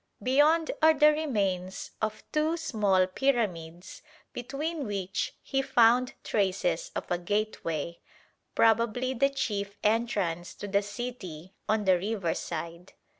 Beyond are the remains of two small pyramids between which he found traces of a gateway, probably the chief entrance to the city on the riverside.